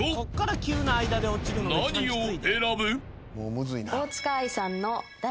［何を選ぶ？］